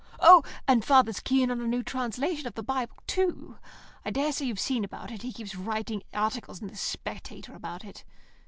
Oh, and father's keen on a new translation of the Bible, too. I daresay you've seen about it; he keeps writing articles in the Spectator about it....